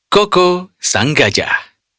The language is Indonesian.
koko sang gajah